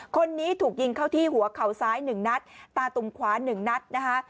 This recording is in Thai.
คนนี้ถูกยิงเข้าที่หัวเข่าซ้าย๑นัดตาตุ่มขวา๑นัดนะคะ